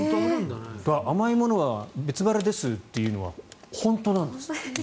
甘いものは別腹ですというのは本当なんです。